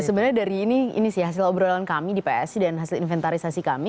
sebenarnya dari ini sih hasil obrolan kami di psi dan hasil inventarisasi kami